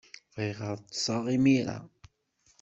Bɣiɣ ad ḍḍseɣ imir-a.